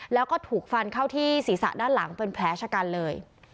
แล้วก็ถูกฟันเข้าที่ศีรษะด้านหลังเป็นแผลชะกันเลย